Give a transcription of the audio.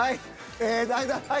はい。